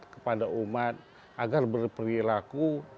kepada umat agar berperilaku